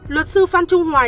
luật sư phan trung hoài